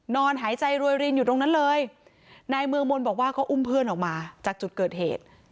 นอนหายใจรวยรินอยู่ตรงนั้นเลยนายเมืองมนต์บอกว่าก็อุ้มเพื่อนออกมาจากจุดเกิดเหตุ